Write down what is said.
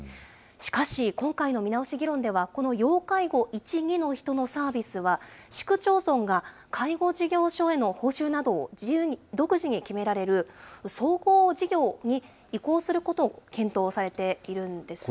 しかし、今回の見直し議論では、この要介護１、２の人のサービスは、市区町村が介護事業所への報酬などを独自に決められる、総合事業に移行することを検討されているんです。